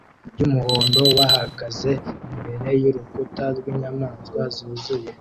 yumuhondo bahagaze imbere yurukuta rwinyamaswa zuzuye